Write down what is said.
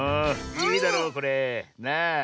いいだろこれ。なあ。